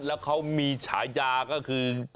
แล้วเขามีฉายาก็คือ